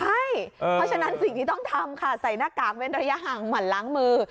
เพราะฉะนั้นสิ่งที่ต้องทำค่ะใส่หน้ากากเว้นระยะห่างหมั่นล้างมือ